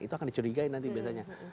itu akan dicurigai nanti biasanya